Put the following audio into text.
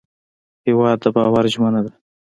هېواد د باور ژمنه ده.